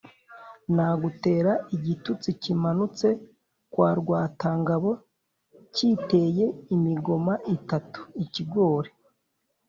Nagutera igitutsi kimanutse kwa Rwatangabo cyiteye imigoma itatu. Ikigori.